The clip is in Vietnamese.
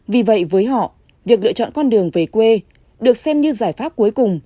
vì vậy với họ việc lựa chọn con đường về quê được xem như giải pháp cuối cùng